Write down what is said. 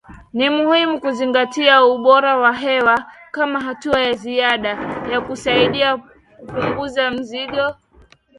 Ni muhimu kuzingatia ubora wa hewa kama hatua ya ziada ya kusaidia kupunguza mzigo